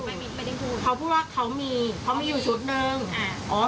ไม่ได้พูดเขาพูดว่าเขามีเขามีอยู่ชุดหนึ่งอ่าอ๋อ